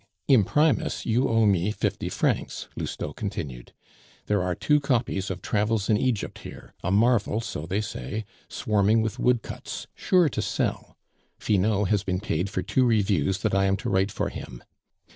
"Imprimis, you owe me fifty francs," Lousteau continued. "There are two copies of Travels in Egypt here, a marvel, so they say, swarming with woodcuts, sure to sell. Finot has been paid for two reviews that I am to write for him.